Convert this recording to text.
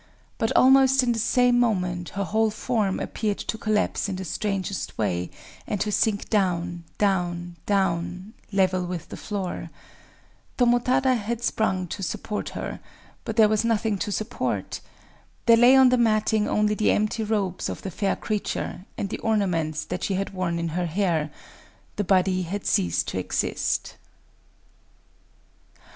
But almost in the same moment her whole form appeared to collapse in the strangest way, and to sink down, down, down—level with the floor. Tomotada had sprung to support her;—but there was nothing to support! There lay on the matting only the empty robes of the fair creature and the ornaments that she had worn in her hair: the body had ceased to exist...